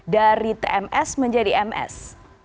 dari tms menjadi ms